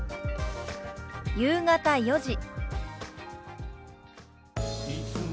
「夕方４時」。